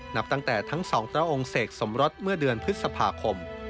นับตั้งแต่ทั้งสองพระองค์เสกสมรสเมื่อเดือนพฤษภาคม